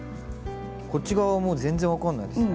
こっち側はもう全然分かんないですね。